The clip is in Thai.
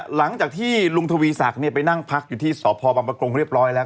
หลังจากที่ลุงทวีศักดิ์ไปนั่งพักอยู่ที่สพบังปะกงเรียบร้อยแล้ว